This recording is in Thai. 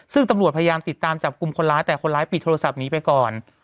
ซึ่งตำรวจพยายามติดตามจับกลุ่มคนร้ายแต่คนร้ายปิดโทรศัพท์หนีไปก่อน